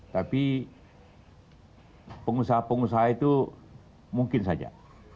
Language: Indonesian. tapi pengusaha pengusaha itu mungkin saja